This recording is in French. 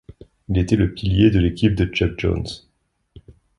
Il était le pilier de l'équipe de Chuck Jones.